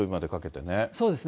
そうですね。